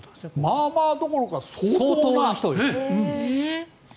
まあまあどころか相当な人。